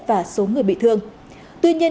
và số người bị thương tuy nhiên